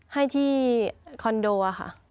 ให้ที่คอนโดค่ะ